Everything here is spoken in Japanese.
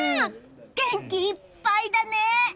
元気いっぱいだね！